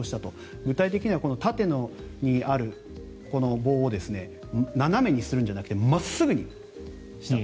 具体的には縦にある棒を斜めにするんじゃなくて真っすぐにしたと。